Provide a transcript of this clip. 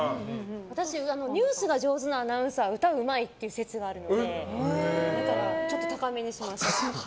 私、ニュースが上手なアナウンサーは歌がうまいっていう説があるのでだからちょっと高めにしました。